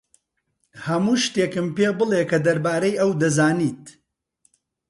هەموو شتێکم پێ بڵێ کە دەربارەی ئەو دەزانیت.